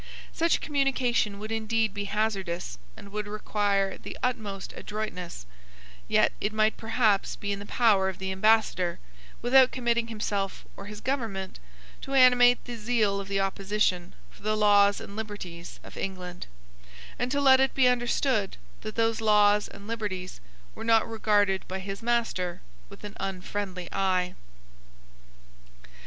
Such communication would indeed be hazardous and would require the utmost adroitness; yet it might perhaps be in the power of the Ambassador, without committing himself or his government, to animate the zeal of the opposition for the laws and liberties of England, and to let it be understood that those laws and liberties were not regarded by his master with an unfriendly eye.